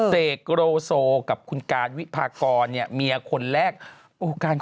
เสกโรโซกับคุณการวิพากรเนี่ยเมียคนแรก